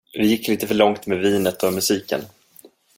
Vi gick lite för långt med vinet och musiken.